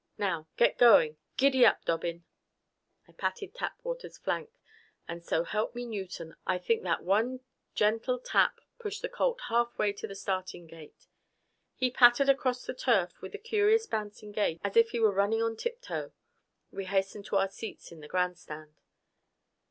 "Now, get going. Giddyap, Dobbin!" I patted Tapwater's flank, and so help me Newton, I think that one gentle tap pushed the colt half way to the starting gate! He pattered across the turf with a curious bouncing gait as if he were running on tiptoe. We hastened to our seats in the grandstand.